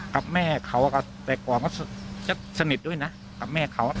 กับแม่เขาก็แตกว่าจะสนิทด้วยนะกับแม่เขา